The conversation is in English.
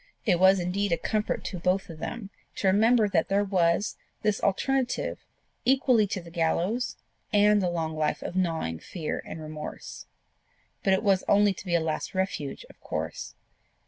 It was indeed a comfort to both of them to remember that there was this alternative equally to the gallows and a long life of gnawing fear and remorse. But it was only to be a last refuge of course.